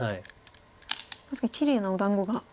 確かにきれいなお団子が。